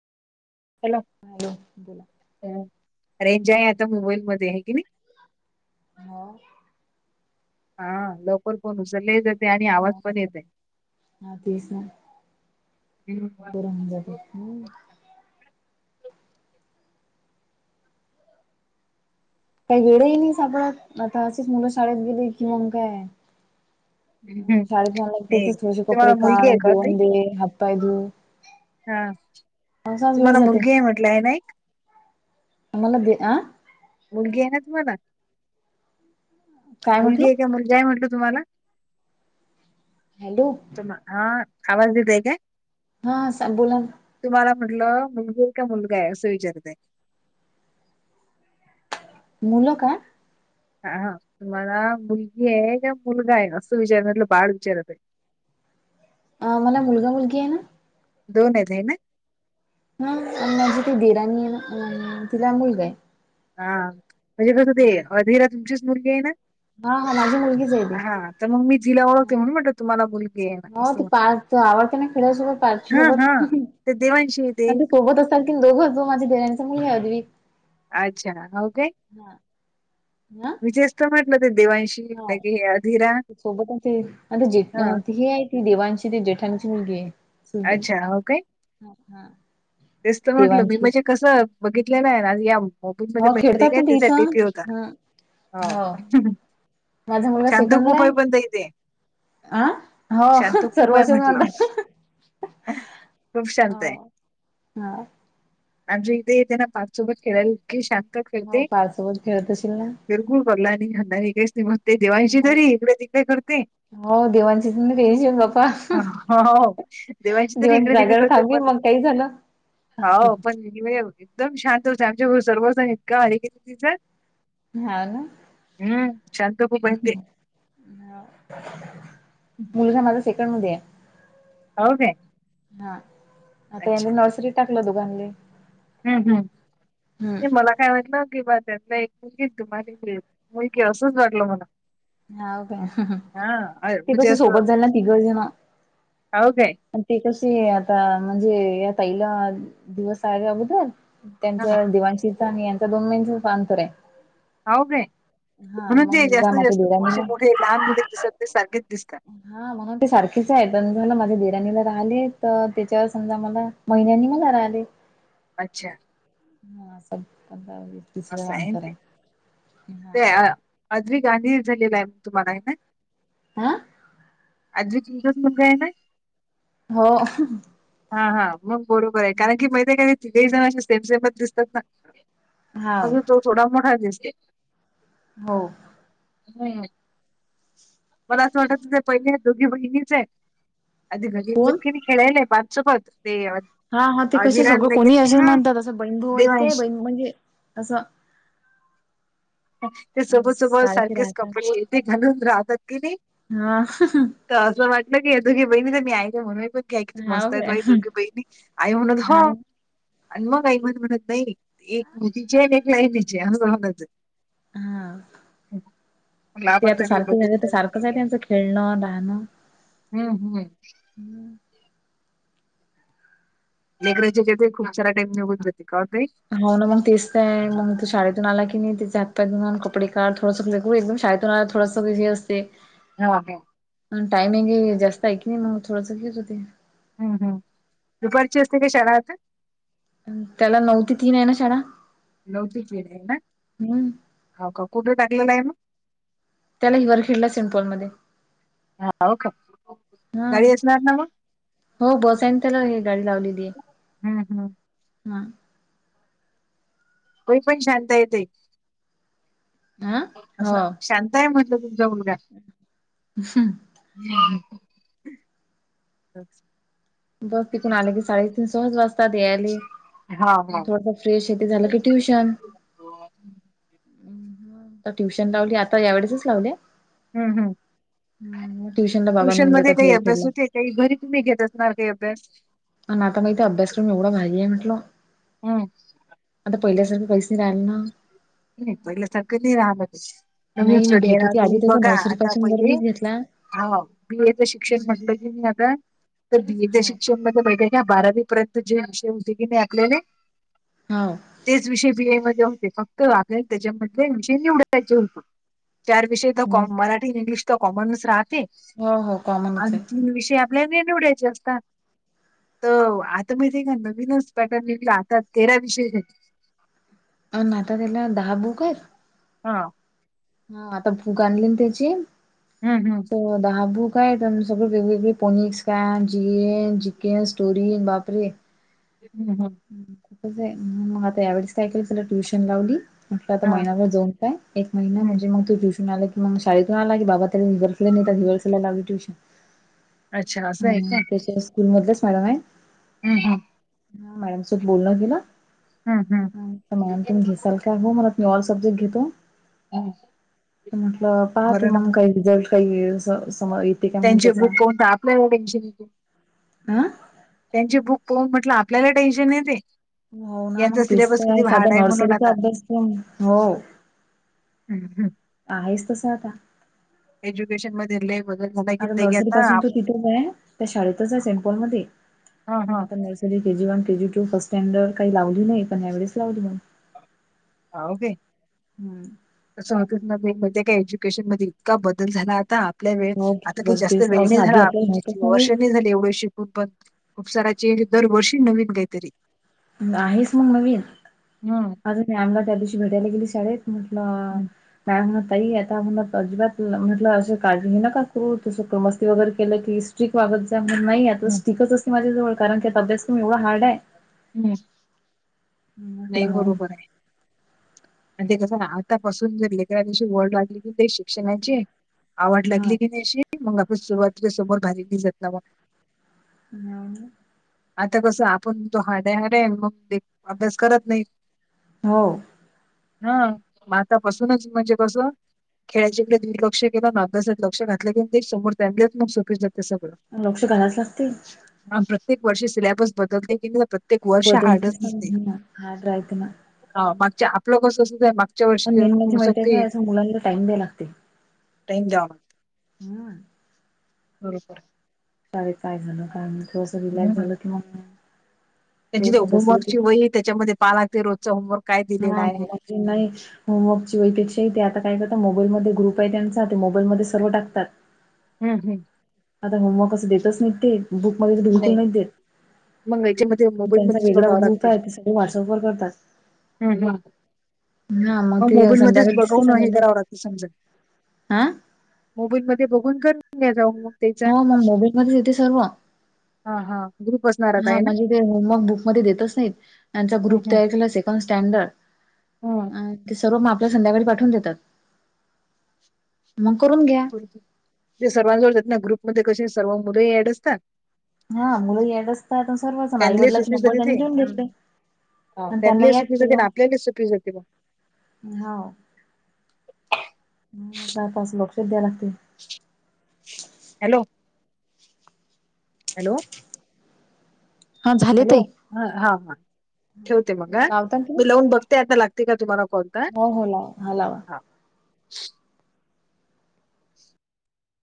Hello hello बोला. Range आहे आता मोबाईल मध्ये आहे की नाही? हो हा लवकर फोन [unintelligible] हा पण येत आहे ह तेच ना, बरमजात हंम काही वेळही नाही सापडत आता अशीच मुलं शाळेत गेली कि मग काय आहे? अ शाळेतन नाही आल्यावर [unintelligible] कपडे तुम्हाला मुलगी काढ आहे का ताई जेवण दे हातपाय धु हा.. असाच वेळ तुम्हाला जाते मुलगी आहे म्हटलं आहे ना एक आम्हाला दे आ मुलगी आहे ना तुम्हाला. काय मुलगी म्हटलं आहे का, मुलगा आहे म्हटलं तुम्हाला? हॅलो तुम्हा आवाज दिलाय काय? हा सर बोला तुम्हाला म्हटलं मुलगी आहे का मुलगा आहे असं विचारतय मुलं का? हा हा तुम्हाला मुलगी आहे का मुलगा आहे असं विचारणलं बाड विचारत आहे अ मला मुलगा मुलगी आहे ना दोन आहेत हाय ना? हा म्हणझे ती दिराणी अं तिला मुलगा आहे. हा म्हणजे कसं ते अधीरा तुमचीच मुलगी आहे ना? हा हा माझी मुलगीच आहे ती हा तर मग मी जिला ओळखते म्हणून म्हणते तुम्हाला मुलगी हाय ना असं. तो आवडतो ना खेळासोबत [unintelligible] हां, सोबत हां. ते देवांशी होतेे आणखीन दोघं माझ्या बहिणीचा मुलगा आहे आद्वईक. अच्छा हो काय. हा विशेषत म्हटलं, ते देवांशी हा. लगे हे अधिरा सोबत आणि ते जेठ हां, अं ते हे आहेत. ती देवांशी ती जेठानिची मुलगी आहे. सुद्या अच्छा हो काय? हा हा तेच तर म्हंटल मी देवांशी म्हणजे कसं बघितले का [unintelligible] हो ऑफिसमध्ये [unintelligible] खेळतात काय ना ते त्यासाठी इथं पी होता. ह हो होका. माझा मुलगा शांत सेकंडला खुप आहे पण ताई ते. आ हो शांत खूप सर्व आहे असेच म्हटलं. म्हणतात खूप शांत आहे. हो हा आमच्या इथेे येते ना पार्थ सोबत खेळायला इतकी शांत हो फिरते पार्थ सोबत खेळत अशील ना [unintelligible] देवांशी नाही तरी इकडे ती ते करते. हो देवांशीच आणि तुझ्याशीच गप्पा. हो देवांशी तरी [unintelligible] इकडे तिकडे जागेवर करते थांबली पण मग काय झालं? [unintelligible] एकदम शांत होते आमच्या सर्वच इतका हारी [unintelligible] हा ना. हम्म शांंत खुप आहेत ते. हो मुलगा माझा सेकंडमध्ये आहे. हो काय? हा आता याने अच्छा नर्सरीत टाकलं दोघांने हम्म हम्म. ते मला काय म्हटलं की बा त्यातलं एक मुलगीच [unintelligible] मुलगी असंच वाटल मला. हाव काय? हा अ- ते म्हणजे कशी सोबत झालेत ना तिघही जण. हाव काय? ते कसे आता म्हणजे या ताईला दिवस आहे अगोदर. त्यांच हा दिवाणशीच आणि यांचा दोन महिन्यांच अंतर आहे. हाव काय? हा म्हणून मग ते हिला जास्तीत माझ्या जास्त असे दिराणीला मोठे लहान मोठे दिसत ते सारखेच दिसतात. हा म्हणून ते सारखेच आहेत. पण माझ्या दिरांनी जरा आले तर त्याच्यावर समजा मला महिन्यांनी मलाा राहले. अच्छा. मग असा पण जाऊ दे. असं आहे ना ते. ते हा आद्वीक [unintelligible] झालेला आहे तुम्हाला हाय ना? आ? आजीची एकच मुलगी आहे ना? हो. हा हा मग बरोबर आहे. कारण की माहित आहे का तिघेही जण असे सेम सेमच दिसतात ना. हा अग तो थोडा मोठा दिसतोय. हो‌. हम्म. मला असं वाटत होत पहिले आहेत दोघी बहिणीचं आहेत. आधी घरी [unintelligible] कोण नाही. हेला आहे नाही [unintelligible] ते हा हा ते कसे सगळं अभिरानला कोणी किती असेच हा म्हणतात. असं बहीण भाऊ आहेत का? देवांशी बहिण म्हणजे असं ते सोबत सोबत सारखे सारखेच राहतात कपडे ते घालून राहतात की नाही. हा. तर असं वाटलं की या दोघी बहिणी तर मी ऐ काय म्हणून का किती हाव मस्त हाईत काय बाई दोघी बहिणी. आई म्हणत हा. आणि मग आई पण म्हणत नाही. एक [unintelligible] आणि एक लायनीचे असं [unintelligible] हा मला ते आपण आता तरी सारखे झाले तर बघितलं सारखंच आहे नाहीये त्यांचं खेळणं, न्हाण. हम्म हम्म. लेकराचे तेथे खूप चारा टाईम निघून जाते कळत नाही. हा ना मग तेच आहे मग तू शाळेतून आला की नाही त्याचे हातपाय धुन कपडे काढ थोडंस एकदम शाळेत तर थोडासा हे असते हो के आणि टाईम हाय की जास्त आहे की नाही मग थोडंस हेच होते. हम्म हम् दुपारची असते काय शाळा आता. त्याला नव ते तीन आहे ना शाळा नऊ ते तीन आहे ना हम्म हो का कुठे टाकलेलं आहे मग. त्याला हिवर खिडला सिमपोलमध्ये हाव का? हा गाडीवर बसणार ना मग. हो बस आहे ना त्याला हे गाडी लावलेली. हम्म हम्म हा [unintelligible] पण शांत आहे ताई हा अ असं शांत आहे म्हटलं तुमचा मुलगा. हम्म [unintelligible] बस ती कोण आले की साडे तीन सहज वाज यायलेय हा हा. थोडस फ्रेश हे ते झालं की ट्युशन आता ट्युशन लावली आता यावेेळेसच लावले. हम्म हम्म ट्युशनला बाबा ट्युशन नेऊन मध्ये देतात काही फिअर अभ्यास खेडला होते काही घरी तुम्ही घेत असणार काही अभ्यास? आणि आता माहित हाय अभ्यासक्रम एवढा भारी आहे म्हंटल. हम्म. आता पहिल्यासारखं काहिच नाही राहिल ना. नाही पहिले सारख नाही रहाय लागणे. नवीन नाही मी स्टडी घेत आहे होती आधी तुम्ही त्याचा बघा नर्सरी आता पासून बर पहिले मीच घेतला हा बीएचं शिक्षण म्हटलं की म आता तर बीएच्या हो शिक्षणमध्ये माहितेय का बारावी पर्यंत जे विषय होते की नाही आपल्याला हो तेच विषय बी ए मध्ये होते फक्त आपल्याला त्याच्यामध्ये विषय निवडायचे होते चार विषय तर कॉम मराठी इंग्लिश तर कॉमनच राहते. हो हो कॉमनच आहे आणखीन विषय आपल्याने निवडायचे असतात तर आता माहिती का नवीनच पॅटर्न निघला आता तेरा विषय हायत अ आता त्याला दहा बुकं हा हा आता बुक आणली ना त्याची हम्म हम् हाबू काय तेन सगळे वेगवेगळे पोनिक्स काय, जिएन, जिकेन, स्टोरीन बापरे. हम्म हम्म. खुपच आहे म्हणून मग आता यावेळेस काय केलं त्याला ट्युशन लावली म्हटलं आता हा महिनाभर जाऊन काय एक महिना हम्म म्हणजे मग तू ट्युशन आला की मग शाळेतून आला की बाबा तरी तिने तर [unintelligible] लावली ट्युशन. अच्छा असं आहे काय? स्कूल मधलेच मॅडम आहे. हम् हम हा मॅडम सोबत बोलणं केलं. हम्म हम्म हम्म हा मॅडम तुम घे [unintelligible] ऑल सब्जेक्ट घेतो. हम्म म्हटलं पाहते बरं ना मग काही रिझल्ट काही सम सम त्यांचे बुक कोण तर आपल्याला टेन्शन येते. आं. त्यांची बुक पोहून म्हटलं आपल्याला टेन्शन येते. हो ना मग यांचा सिलेबस दिसतय किती तर साध्या हार्ड आहे म्हणून नर्सरीचा आता अभ्यास कर हो. हम् हम्. आहेच तसं आता. एज्युकेशन मध्ये लय बदल. झाला की आता ते नर्सरी पासून आप- तू तिथेच आहे त्या शाळेतच आहे सेम्पल मध्ये हा मग हा आता नर्सरी त्याजी K G one, K G two, first standard काही लावली नाही पण यावेळेस लावली म. हावू के. हम्म [unintelligible] का एज्युकेशन मध्ये इतका बदल झाला आता. पल्या वेळ हो आता किती काही जास्त बघतेस वेळ असं नाही झाला आधी आपण आपल्याला माहितच [inaudible] वर्ष नाही झाले एवढे शिकून पण. खूप सारा चेंज दरवर्षी नवीन काहीतरी. आहेच मग नवीन. निवात माझा मॅमला त्या दिवशी भेटायला गेली शाळेत म्हटलं हम्म, मॅम ताई आता. अजिबात म्हटलं अस काळजी घे ना का करू तसं मस्ती वगैरे केलं की स्ट्रिक वागत जा म्हण नाही आत तो हम्म, स्पीकच असते माझ्या जवळ कारण त्यात अभ्यासक्रम एवढा हार्ड आहे. हम्म. म्हटलं नाही हो बरोबर आहे. [inaudible] आणि ते कसं ना आतापसून जर लेकरा दिवशी वढ लागली की ते शिक्षणाची आवड हा लागली की नाही अशी मग आपण सुरवाती समोर [unintelligible] जत नावं. हम्. आता कसं आपण तो हार्ड आहे हार्ड आहे मग ते अभ्यास करत नाही. हो. हा मातापसूनच म्हणजे कसं खेळायच्याकडे दुर्लक्ष केलं ना अभ्यासात लक्ष घातलं क ते समोर [unintelligible] जातं सगळं. लक्ष घालायच लागते. आन प्रत्येक वर्षे सिलेबस बदलते की. [unintelligible] बदलते हार्डच आहेस न मग [unintelligible] ना हार्ड राहते मग. हा मागच्या आपलं कसं असच आहे माग पण मेन म्हणजे माहितीय काय असं मुलांना टाईम द्याय लागते. टाईम द्या. हम्म. बरोबर. शाळेत काय झालं काय माहीत अस रिलॅक्स हं. झाल मग त्यांची ते थोडस बसलं की होमवर्कची वही त्याच्यामध्ये पहा लागते रोजच होमवर्क. काय दिलेला हा आहे. माजी नाहीच. होमवर्कची वहीपेक्षाही ते आता काय करता मोबाईलमध्ये ग्रुप आहे त्यांचा ते मोबाईलमध्ये सर्व टाकतात. हम्म हम्म. आता होमवर्क असं देतच नाही ते बुकमध्ये बिलकुल नाही देत. मग याच्यामध्ये त्यांचा मोबाईलमध्येच वेगळा बघावं ग्रुप लागते. आहे ते सगळे व्हॉट्सअप वर करतात. हम्म हम्म. हा मग ते मोबाईलमध्येच संध्याकाळी दिसते बगवून हे समज करावं लागत समजा. हा मोबाईल मध्ये बघून गन्य जाऊ म. हो म्हणलं [unintelligible] मध्येच येते सर्व. हां, हां. ग्रुप असणार आता हा आहे ना? म्हणजे ते होमवर्क बुक मध्ये देतच नाहीत, त्याचा हं ग्रुप हं तयार केला असेल. पण स्टँडर्ड, हं अ ते सर्व माप तुला संध्याकाळी पाठवून देतात. मग करून घ्या. बरोबर. ते सर्वांजवळ जात ना ग्रुप मध्ये कशे सर्व मुलंही ऍड असता. हा मुलं येत असतात सर्वचा त्यांले आईवडलाची नंबर त्यांनी लिहून घेतले. ह आणि त्यांना ही याद सुपी जाते ना आपल्यालाच सुपी जाते ब. होव म्हणून म्हटल आता, असं लक्ष द्याय लागते. Hello hello. हा झाले हॅलो, ताई. हा हा ठेवते मग हा, लावता ना तुम्ही मी लावून बघते आता लागते का, तुम्हाला कॉल तर. हो हो [unintelligible]